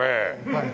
はい。